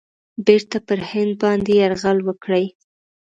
بیرته پر هند باندي یرغل وکړي.